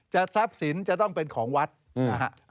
ทรัพย์สินจะต้องเป็นของวัดนะฮะ